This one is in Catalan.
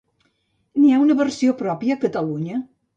N'hi ha una versió pròpia a Catalunya?